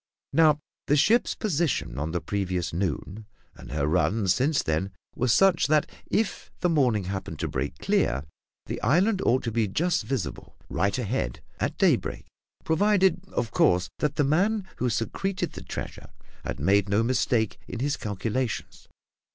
Now, the ship's position on the previous noon, and her run since then, were such that if the morning happened to break clear, the island ought to be just visible, right ahead, at daybreak, provided, of course, that the man who secreted the treasure had made no mistake in his calculations.